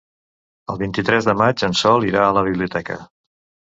El vint-i-tres de maig en Sol irà a la biblioteca.